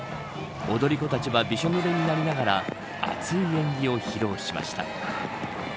踊り子たちはびしょぬれになりながら熱い演技を披露しました。